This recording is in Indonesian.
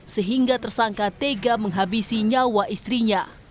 sehingga tersangka tega menghabisi nyawa istrinya